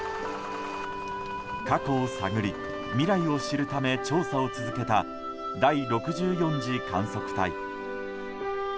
過去を探り未来を知るため調査を続けた第６４次観測隊。